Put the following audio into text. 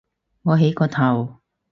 我起個頭